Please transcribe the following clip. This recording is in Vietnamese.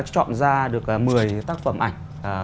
chọn ra được một mươi tác phẩm ảnh